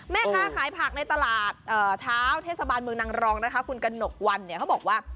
แม่ค้าขายผักในตลาดเช้าเทศบาลเมืองนางรองนะคะคุณกระหนกวันเนี่ยเขาบอกว่า